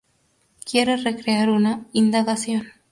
Quiere recrear una indagación.